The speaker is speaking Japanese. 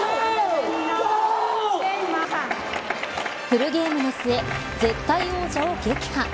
フルゲームの末絶対王者を撃破。